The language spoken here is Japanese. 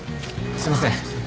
すみません。